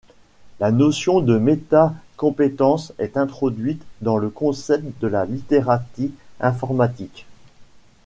La notion de méta-compétence est introduite dans le concept de la littératie informatique.